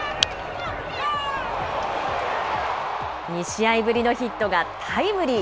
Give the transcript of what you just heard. ２試合ぶりのヒットが、タイムリー。